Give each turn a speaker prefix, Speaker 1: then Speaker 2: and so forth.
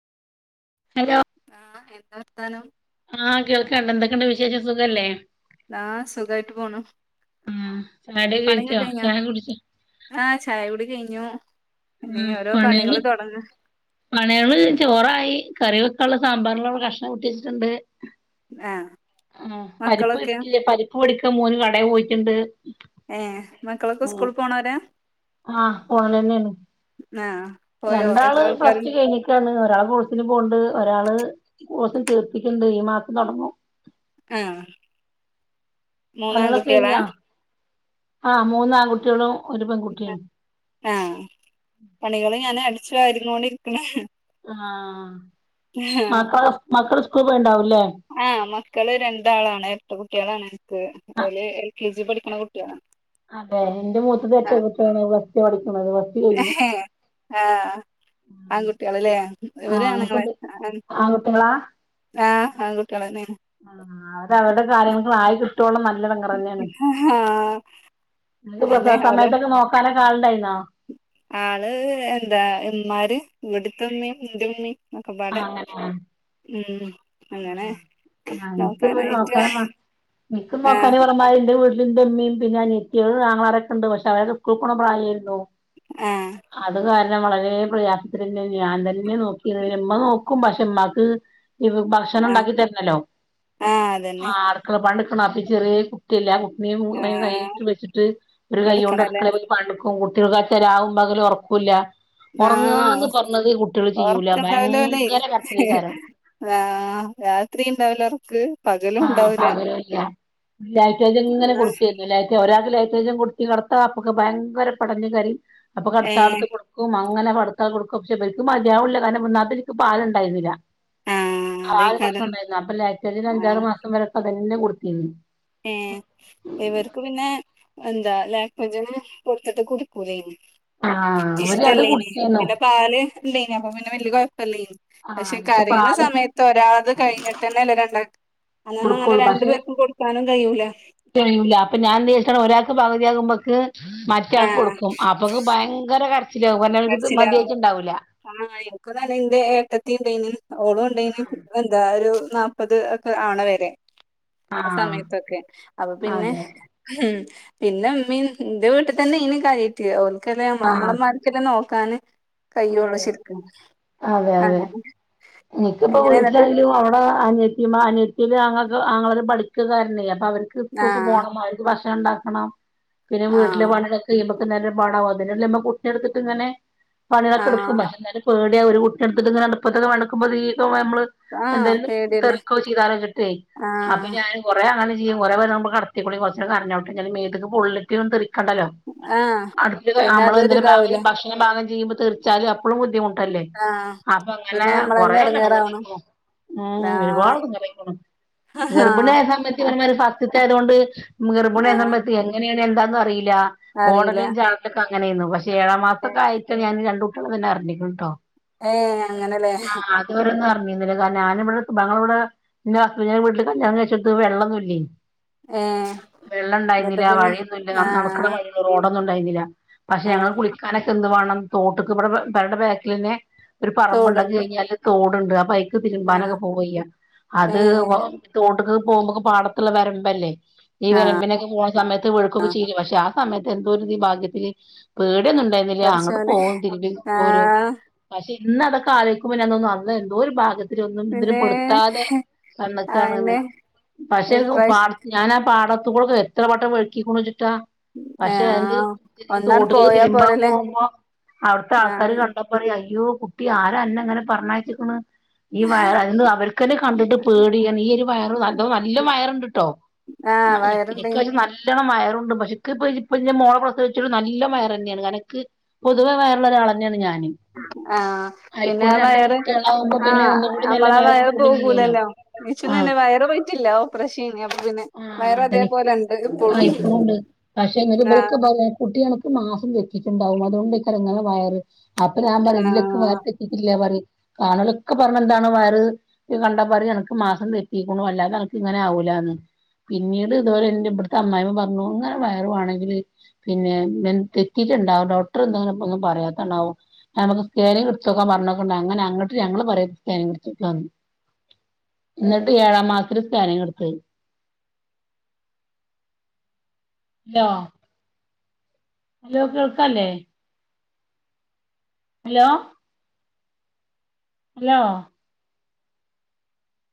Speaker 1: Hello
Speaker 2: ആഹ് എന്താ വർത്താനം
Speaker 1: ആഹ് കേൾക്കാണ്ട് എന്തൊക്കെണ്ട് വിശേഷം സുഖല്ലേ
Speaker 2: ആഹ് സുഖായിട്ട് പോണു.
Speaker 1: ആഹ്, ചായ കുടി
Speaker 2: പണിയൊക്കെ
Speaker 1: കഴിച്ചോ
Speaker 2: കഴിഞ്ഞോ
Speaker 1: ചായ കുടിച്ചോ
Speaker 2: ആഹ്, ചായകുടി കഴിഞ്ഞു. ഇനി
Speaker 1: ഹ്മ്മ്
Speaker 2: ഓരോ
Speaker 1: പണികള്
Speaker 2: തൊടങ്ങ
Speaker 1: പണിയള് ചോറായി, കറി വെക്കാനുള്ള സാമ്പാറിനുള്ള കഷ്ണം കൂട്ടിയച്ചിട്ട്ണ്ട്.
Speaker 2: ആഹ്
Speaker 1: ആഹ്, പരിപ്പ്
Speaker 2: മക്കളൊക്കെ
Speaker 1: കിട്ടിടില്ലേ പരിപ്പ് മേടിക്കാൻ മോന് കടെ പോയിട്ടുണ്ട്.
Speaker 2: ഏഹ്, മക്കളൊക്കെ
Speaker 1: ഉം
Speaker 2: സ്കൂളിൽ പോണോരാ
Speaker 1: ആഹ് [unintelligible]
Speaker 2: ആഹ്. പോയോ
Speaker 1: രണ്ടാള്
Speaker 2: എത്ര ആൾക്കാര്
Speaker 1: പ്ലസ്ടു കഴിഞ്ഞ് ണ് ഒരാൾ കോഴ്സിന് പോകണ്ട് ഒരാള് കോഴ്സിന് തീർത്തിക്കണ്ട് ഈ മാസം തൊടങ്ങും
Speaker 2: ആഹ
Speaker 1: പണികളൊക്കെ കഴിഞ്ഞാ ആഹ് മൂന്ന ആൺകുട്ടികളും ഒരു പെൺകുട്ടിയും
Speaker 2: ആഹ പണികള് ഞാന് അടിച്ചുവാരിക്കോണ്ടിരിക്കണ
Speaker 1: ആ മക്കള മക്കള സ്കൂളി പോയിട്ടുണ്ടാവും ഇല്ലേ
Speaker 2: ആഹ മക്കള് രണ്ടാളാണ് ഇരട്ട കുട്ടികളാണ് എനിക്ക് ഓല് എൽ കെ ജി പഠിക്കണ കുട്ടികളാണ്
Speaker 1: അതെ എന്റെ മൂത്തത് ഇരട്ട കുട്ടികളാണ് പ്ലസ്‌ ടു പടിക്കുന്നത്
Speaker 2: ആഹ് ആൺകുട്ടികളല്ലേ
Speaker 1: ആഹ്
Speaker 2: ഇവര് ആണുങ്ങളെ
Speaker 1: അങ്ങക്ക്
Speaker 2: ആ
Speaker 1: ആൺകുട്ടികളാ
Speaker 2: ആഹ് ആൺകുട്ടികളന്നെ
Speaker 1: ആ അവര അവരുടെ സാധനങ്ങൾ [unintelligible]
Speaker 2: ആഹ
Speaker 1: നിക്ക് പ്രസവ സമയത്തൊക്കെ നോക്കാനൊക്കെ ആളുണ്ടായിരുന്നോ
Speaker 2: ആള് എന്താ ഉമ്മാമാര് ഇവിടത്തെ ഉമ്മയും ഉന്റെ ഉമ്മയും
Speaker 1: ആഹ്
Speaker 2: നക്കെപാടെ
Speaker 1: അങ്ങനെ
Speaker 2: ഉം അങ്ങനെ
Speaker 1: ആഹ്
Speaker 2: നോക്കാനായിട്ട്
Speaker 1: നിക്ക്
Speaker 2: ആഹ്
Speaker 1: നോക്കാന അമാരിന്റെ വീട്ടിലിന്റെമ്മയും പിന്നെ അനിയത്തിയും ആങ്ങളരൊക്കെണ്ട് പെ അവരെ സ്ക്കൂളിൽ പോണ പ്രായായിരുന്നു
Speaker 2: ആഹ
Speaker 1: അത് കാരണം വളരെ പ്രയാസത്തി തന്നെ ഞാൻ തന്നെ നോക്കി മ്മ നോക്കും പക്ഷെമ്മാക്ക് ഭക്ഷണം
Speaker 2: ആഹ്
Speaker 1: ഉണ്ടാക്കി തരണല്ലോ
Speaker 2: ആഹ് അതന്നെ
Speaker 1: ആ [unintelligible] ല്ല ഉും
Speaker 2: ആഹ്
Speaker 1: കൈയിട്ട് വച്ചിട്ട് ഒരു കൈ കൊണ്ട്
Speaker 2: എടുക്കണല്ലേ
Speaker 1: അടക്കള കുട്ടികൾക്കാച്ചാൽ രാവും പകലും ഉറക്കൂല്ല ഉറങ്ങന്ന് പറഞ്ഞത് കുട്ടികൾ ചെയ്യൂല
Speaker 2: ഉണ്ടാവലോ അല്ലെ
Speaker 1: ഭയങ്കര കരച്ചിലേക്കാരം
Speaker 2: ആ രാത്രി ഉണ്ടാവലോ ഉറക്ക്
Speaker 1: ആഹ പകലും ഇല്ല ലാക്ടോജൻ ഇങ്ങനെ
Speaker 2: എന്നാ
Speaker 1: കൊടുക്കും ല ഒരാൾക്ക് ലാക്ടോജൻ കൊടുത്തി കിടത്ത അപ്പൊ ഭയങ്കര പടഞ്ഞ കരയും അപ്പൊ
Speaker 2: ഏഹ്
Speaker 1: കടത്താളത്ത് അങ്ങനെ പടത്തക്ക കൊടുക്കും പക്ഷെ ഇവരിക്കും മതിയാവണില്ല കാരണം ഒന്നാമത് എനിക്ക് പാലുണ്ടായിരുന്നില്ല
Speaker 2: ആഹ്
Speaker 1: ആ ആ ഒരു പ്രശ്നം
Speaker 2: അതേക്കാരം
Speaker 1: ഉണ്ടായിരുന്നു അപ്പൊ ലാക്ടിജൻ അഞ്ചാറ്
Speaker 2: ആഹ്
Speaker 1: മാസം വരെക്കെ അതന്നെ കൊടുത്തിരുന്നു
Speaker 2: ഏ ഇവർക്ക് പിന്നെ എന്താ ലാക്ടോജൻ മൂത്തത് കുടിക്കൂല
Speaker 1: ആഹ് അവര് അത്
Speaker 2: ഇഷ്ടല്ലേന
Speaker 1: കുടിച്ചിരുന്നു
Speaker 2: പിന്നെ പാല് ഇല്ലന അപ്പൊ പിന്നെ വല്യ കുഴപ്പല്ലേന
Speaker 1: ആഹ്
Speaker 2: പക്ഷെ
Speaker 1: എനിക്ക്
Speaker 2: കരയണ
Speaker 1: പാല്
Speaker 2: സമയത്ത് ഒരാൾക്കു കഴിഞ്ഞിട്ട് തന്നെ അല്ലേ രണ്ടാൾക്ക അന്നന്നും അങ്ങനെ രണ്ടു പേർക്കും കൊടുക്കാനും കഴിയൂല
Speaker 1: കഴൂല്ല അപ്പൊ ഞാൻ ച ഒരാൾക്ക് പകുതിയാ ആകുമ്പൊക്ക് മറ്റയാൾക്ക്
Speaker 2: ആഹ്
Speaker 1: കൊടുക്കും അപ്പൊക്ക് ഭയങ്കര കരച്ചിലാകും പറെ അവക്ക് മതിയായിട്ട്ണ്ടാവില്ല
Speaker 2: ഒന്നും കഴിയും [unintelligible] നക്ക നല്ലന്റെ ഏട്ടത്തി ഉണ്ടേനും ഓള ഉണ്ടെനും എന്താ ഒരു നാല്പ്പത് ഒക്കെ ആവണ വരെ ആ
Speaker 1: ആഹ്
Speaker 2: സമയത്തൊക്കെ അപ്പൊ പിന്നെ
Speaker 1: അതെ
Speaker 2: ഉം പിന്നെ മ്മീംന്റെ വീട്ടിൽ തന്നേണ് അനിയത്തി ഓക്കല്ല നമ്മളെ
Speaker 1: ആഹ്
Speaker 2: ഇമ്മാര് ച്ച്ന്നെ നോക്കാന് കയ്യോള്ളൂ
Speaker 1: അതെ
Speaker 2: ശര്ക്ക്‌
Speaker 1: അതെ അതെ നിക്കിപ്പോ
Speaker 2: എങ്ങനെ എന്നിട്ട്
Speaker 1: വീട്ടിലായാലും അവിടെ ഇമാ അനിയത്തീൽ ആങ്ങളാരും പഠിക്കൊക്കെ ആയിരുന്നെ. അപ്പൊ അവർക്ക് സ്കൂൾക്ക്
Speaker 2: ആഹ്
Speaker 1: പോണം മ ഭക്ഷണം ഉണ്ടാക്കണം പിന്നെ വീട്ടിലെ
Speaker 2: ആഹ്
Speaker 1: പനീകള് അത് കഴിയുമ്പോ തന്നെ നേരൊരു പാടാകും അതിനല്ലെമ്മ കുട്ടിനെടുത്തിട്ടിങ്ങനെ പണ്യാളൊക്കെ ഇടുക്കും
Speaker 2: ആഹ്
Speaker 1: പക്ഷെ ന്നാലും പേടിയാ ഒരു കുട്ടിനെടുത്തിട്ടിങ്ങനെ അടുപ്പത്തൊക്കെപണിടുക്കുമ്പോ തീ തോ നമ്മള്
Speaker 2: ആഹ്
Speaker 1: എന്തേലും
Speaker 2: പേടിയല്ലേ
Speaker 1: തെറിക്കോ ചെയ്താലോ ച്ചിട്ടേ അപ്പ
Speaker 2: ആഹ്
Speaker 1: ഞാന് കുറെ അങ്ങനെ ചെയ്യും കുറെ നേരാവുമ്പൊ കടത്തേക്കൊടീ കൊറച്ചേരം കരഞ്ഞോട്ടെ ന്നാലും മേത്ത്ക്ക്‌ ബുള്ളറ്റ് വന്ന് തെറി കണ്ടല്ലോ
Speaker 2: ആഹ്
Speaker 1: അടച്ചത്
Speaker 2: പിന്നെ
Speaker 1: നമ്മള്
Speaker 2: അതൊരു
Speaker 1: എന്തേലും
Speaker 2: ഇതാവൂലേ
Speaker 1: ബാങ്ങലും ഭക്ഷണം ല്ലാം പാകം ചെയ്യുമ്പോ തെറിച്ചാലും അപ്പളും ബുദ്ധിമുട്ടല്ലേ
Speaker 2: ആഹ്
Speaker 1: അപ്പൊ അങ്ങനെ
Speaker 2: പിന്നെ നമ്മളന്നെ
Speaker 1: കൊറെ
Speaker 2: എടങ്ങേറാവണം
Speaker 1: എടങ്ങാറായിക്കുണു ഉം
Speaker 2: ലാ
Speaker 1: ഒരുപാട് എടങ്ങാറായിക്കുണു
Speaker 2: ആഹ്
Speaker 1: ഗർഭിണിയായ സമയത്ത് ക്കിവരെമാരി ഫസ്റ്റ്ത്തെആയതുകൊണ്ട് ഗർഭിണി ആയ
Speaker 2: ആഹ്
Speaker 1: സമയത്ത് എങ്ങനെയാണ് എന്താന്നറിയില്ല ഓടലും ചാട്ടൊക്കെ
Speaker 2: അറിയില്ല
Speaker 1: ഓടലും ചാടലൊക്കെ അങ്ങനെയുന്നു പക്ഷെ ഏഴാ മാസം ഒക്കെ ആയിട്ടാ ഞാൻ രണ്ട് കുട്ട്യാള് തന്നെ അറിഞ്ഞിക്കണ ട്ടോ
Speaker 2: ഏ അങ്ങനെല്ലേ
Speaker 1: ഓരൊന്നും അറിഞ്ഞീന്നില്ല കാരണം ഞാനിവിടെഞങ്ങള ഇവിടെ ഇന്റെ ഹസ്ബന്റിന്റെ വീട്ടില് കല്യാണം കയിച്ചോട്ത്ത് വെള്ളൊന്നൂല്ലേ
Speaker 2: ഏഹ്
Speaker 1: വെള്ളം
Speaker 2: എന്നിട്ട്
Speaker 1: ഇണ്ടായിന്നില്ല
Speaker 2: പിന്നെ
Speaker 1: വഴിയൊന്നുല്ല നടക്കണ
Speaker 2: ആഹ്
Speaker 1: വഴി റോഡൊന്നും ഉണ്ടായിന്നില്ല പക്ഷെ ഞങ്ങള്
Speaker 2: ആഹ്
Speaker 1: കുളിക്കാനൊക്കെ എന്ത്‌ വേണം തോട്ട്ക്ക് ഇബടെ പെരടെ ബാക്കിൽ തന്നെ ഒരു പറമ്പ് ഇണ്ട് അത്
Speaker 2: തോടുണ്ട്
Speaker 1: കഴിഞ്ഞാല് തോടുണ്ട് ആ പൈ
Speaker 2: ആഹ്
Speaker 1: തിരുമ്പാനൊക്കെ പോവയ്യ അത് ഓ
Speaker 2: ഏഹ്
Speaker 1: തോട്ട്ക്ക് പോകുമ്പൊക്കെ പാടത്തുള്ള വരമ്പല്ലേ ഈ വരമ്പിനൊക്കെ പോണ സമയത്ത് വി ക്കൊക്കെ ചെയ്യൂല്ലേ പക്ഷെ ആ സമയത്ത് എന്തോ ഒരു ഇത് ഭാഗ്യത്തിന് പേട്യൊന്നും ഉണ്ടായിന്നില്ല അങ്ങട്ട്
Speaker 2: പടച്ചോനെ
Speaker 1: പോകും തിരുമ്പീട്ട് പോരും
Speaker 2: ആഹ്
Speaker 1: പക്ഷെ ഇന്ന് അതൊക്കെ ആലോയ്ക്കുമ്പോഞതോന്നും അന്ന് എന്തോ ഒരു ഭാഗ്യ ത്തിരി ഒന്നും ഇതിലും
Speaker 2: പിന്നേ
Speaker 1: പെടുത്താതെ തന്ന്ക്കാണ് ന്ന്
Speaker 2: അയെന്നെ
Speaker 1: പക്ഷേ ങ്ങു
Speaker 2: ഇപ്രാവശ്യം
Speaker 1: പാട ഞാൻ ആ പാടത്തുകൂടൊക്കെ എത്ര വട്ടം വഴുക്കീക്ക്ണു ‌ വെച്ചിട്ടാ പക്ഷെ എന്ത്ഈ
Speaker 2: ആഹ് ഒന്നാണ്ട്
Speaker 1: തോട്ട്ക്കൊക്കെ
Speaker 2: പോയാ
Speaker 1: തിരുമ്പാൻ
Speaker 2: പോരല്ലേ
Speaker 1: പോകുമ്പോ അവിടുത്തെ ആൾക്കാര്
Speaker 2: ആഹ്
Speaker 1: കണ്ടാ പറയും അയ്യോ കുട്ടി ആരാഅന്നെ ഇങ്ങനെ പറഞ്ഞായച്ചിക്ക്‌ണ് ഈ വയർ [unintelligible] അവർക്കന്നെ കണ്ടിട്ട് പേടി ഇങ്ങനെ ഈ ഒരു വയറ് അതും നല്ല വയറുണ്ട്ട്ടോ
Speaker 2: ആഹ്
Speaker 1: ന്നാ
Speaker 2: വയറുണ്ടെങ്കി
Speaker 1: നിക്കൊരു നല്ല ല്ലോണം വയറൂണ്ട് പക്ഷേ ഇക്ക്‌ ഇപ്പഇജ് ഞ്ഞിപ്പോ മോളെ പ്രസവിച്ചിട്ടും നല്ലോം വയറന്നെആണ് കാരണം ഇക്ക്‌ പൊതുവേ വയറുള്ള ഒരാളന്നെയാണ് ഞാന്
Speaker 2: ആഹ് പിന്നെ
Speaker 1: ആയിക്കൂടെ രണ്ട്
Speaker 2: വയറ്
Speaker 1: കുട്ടികളാവുമ്പോ പിന്നെ
Speaker 2: ആഹ്
Speaker 1: ഒന്നുകൂടി നല്ല
Speaker 2: നമ്മളാ
Speaker 1: വേറെ
Speaker 2: വയറ്
Speaker 1: കൂടി ചെയ്യല്ലോ
Speaker 2: പോകൂലല്ലോ ഇച്ചും തന്നെ വയറ് പോയിട്ടില്ലോ
Speaker 1: ആ അതനിക്കും
Speaker 2: ഇണ്ട്
Speaker 1: ആ
Speaker 2: ഇപ്പളും
Speaker 1: ഇപ്പഴും ഉണ്ട് പക്ഷെന്നാലും ഇബൽക്ക്
Speaker 2: ആഹ്
Speaker 1: ഇബലെ കുട്ടിയാണ് ഒരു മാസം തെറ്റീട്ടുണ്ടാവും അതുകൊണ്ടേക്കാരം ഇങ്ങെനെ വയറ് അപ്പൊ ഞൻ പറയും ഇല്ലക്ക്‌
Speaker 2: ആഹ്
Speaker 1: വയർ തെറ്റീട്ടില്ല പറയും കാണോലൊക്കെ പറയ്ണ എന്താണ് വയറ് കണ്ടാ പറിം അണക്ക് മാസം തെറ്റീക്കണു അല്ലാതെ അണക്ക് ഇങ്ങനെ ആവൂല്ലാന്ന് പിന്നീട് ഇതുപോലെ ഇന്റെ ഇബിടുത്തെ അമ്മായിമ്മ പറഞ്ഞു ഇങ്ങനെ വയറുവാണെങ്കില് പിന്നെ ബെൻ തെറ്റീട്ടുണ്ടാവും ഡോക്ടർ എന്താ പ്പോ ഇങ്ങനൊന്നും പറയാത്തേണാവോ നമക്ക് സ്കാനിങ്ട്ത്തോക്കാൻ പറഞ്ഞോക്കണ്ട് അങ്ങനെ അങ്ങട്ട് ഞങ്ങള് പറയ സ്കാനിങ്ടുത്തോക്കാന്ന് എന്നിട്ട് ഏഴാം മാസത്തിൽ സ്ക്യാനിങ് ഇടത്തത് ലോ ഹലോ കേൾക്കാല്ലേ ഹലോ ഹലോ